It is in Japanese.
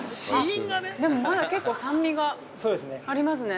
でも、まだ結構酸味がありますね。